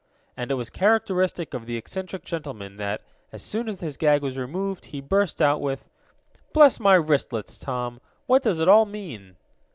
And it was characteristic of the eccentric gentleman that, as soon as his gag was removed he burst out with: "Bless my wristlets, Tom! What does it all mean?"